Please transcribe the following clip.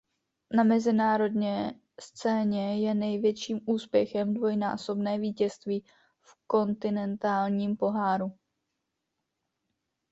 Na mezinárodně scéně je největším úspěchem dvojnásobné vítězství v Kontinentálním poháru.